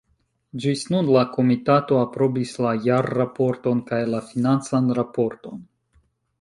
Ĝis nun la komitato aprobis la jarraporton kaj la financan raporton.